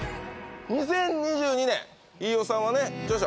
２０２２年飯尾さんはね著書